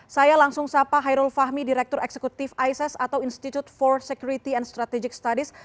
saya langsung sapa hairul fahmi direktur eksekutif isis atau institute for security and strategic studies